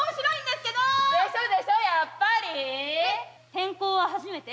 転校は初めて？